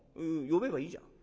呼べばいいじゃん」。